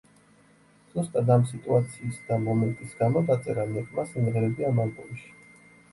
ზუსტად ამ სიტუაციის და მომენტის გამო დაწერა ნეკმა სიმღერები ამ ალბომში.